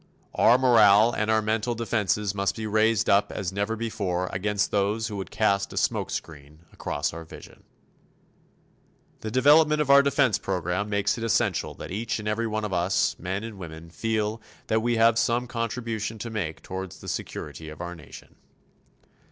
Our morale and our mental defenses must be raised up as never before against those who would cast a smokescreen across our vision. The development of our defense program makes it essential that each and every one of us, men and women, feel that we have some contribution to make toward the security of our nation.